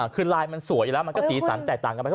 คือลายมันสวยแล้วมันก็สีสันแตกต่างหรอก